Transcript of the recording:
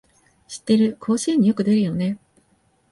知ってる、甲子園によく出るよね